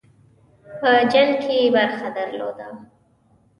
په جنګ کې یې برخه درلوده.